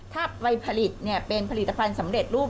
ถ้าไปผลิตเป็นผลิตภัณฑ์สำเร็จรูป